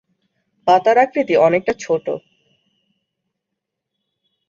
পাতার আকৃতি অনেকটা ছোট।